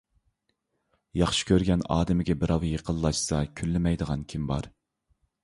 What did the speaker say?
ياخشى كۆرگەن ئادىمىگە بىراۋ يېقىنلاشسا كۈنلىمەيدىغان كىم بار؟